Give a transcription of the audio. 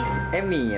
ih pada bengong sih